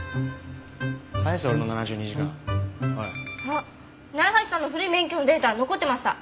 あっ楢橋さんの古い免許のデータ残ってました！